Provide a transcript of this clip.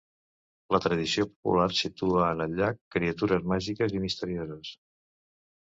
La tradició popular situa en el llac criatures màgiques i misterioses.